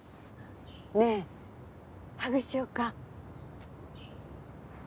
ねえハグしようか。